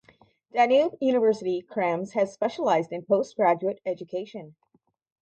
Danube University Krems has specialized in postgraduate education.